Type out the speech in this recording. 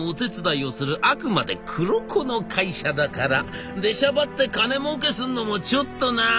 あくまで黒子の会社だから出しゃばって金もうけすんのもちょっとな。